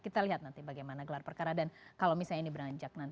kita lihat nanti bagaimana gelar perkara dan kalau misalnya ini beranjak nanti